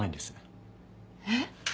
えっ？